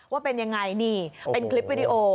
ว่าเป็นยังไงนี่เป็นคลิปวิดีโอ